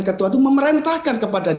ketua itu memerintahkan kepada